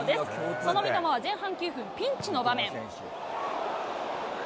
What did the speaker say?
その三笘は前半９分、ピンチの場面。